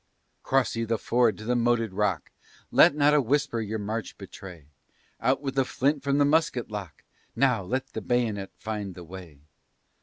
"Cross ye the ford to the moated rock! Let not a whisper your march betray! Out with the flint from the musket lock! Now! let the bayonet find the way!"